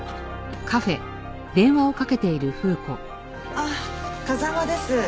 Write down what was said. あっ風間です。